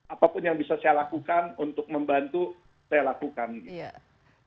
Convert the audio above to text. apapun yang bisa saya lakukan untuk membantu saya lakukan gitu